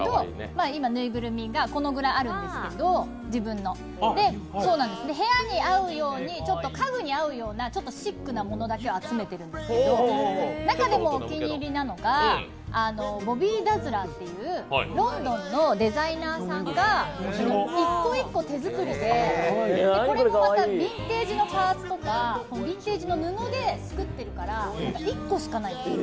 今、自分のぬいぐるみがこのぐらいあるんですけど、部屋に合うようにちょっと家具に合うようなシックなものだけを集めているんですけど、中でもお気に入りなのが、ボビーダズラーっていうロンドンのデザイナーさんが１個１個手作りで、これもまたビンテージのパーツとかビンテージの布で作ってるから一個しかない。